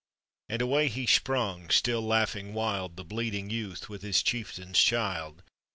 And away he sprung, still laughing wild. The bleeding youth with his chieftain's child.